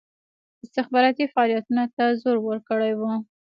استخباراتي فعالیتونو ته زور ورکړی وو.